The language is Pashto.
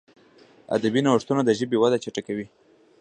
ادبي نوښتونه د ژبي وده چټکوي.